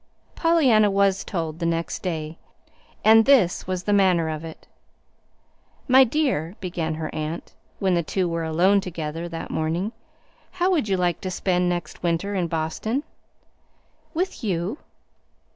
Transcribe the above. Pollyanna was told the next day; and this was the manner of it. "My dear," began her aunt, when the two were alone together that morning, "how would you like to spend next winter in Boston?" "With you?"